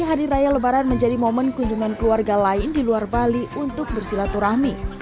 hari raya lebaran menjadi momen kunjungan keluarga lain di luar bali untuk bersilaturahmi